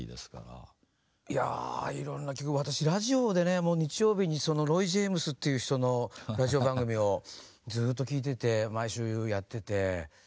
いやいろんな曲私ラジオでねもう日曜日にロイ・ジェームスっていう人のラジオ番組をずっと聴いてて毎週やってて。